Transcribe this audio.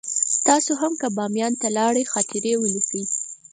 تاسې هم که بامیان ته لاړئ خاطرې ولیکئ.